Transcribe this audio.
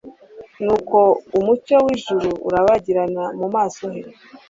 Nuko umucyo w'ijuru urabagirana mu maso he.